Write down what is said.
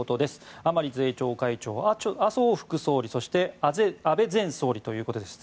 甘利税調会長、麻生副総理そして安倍前総理ということです。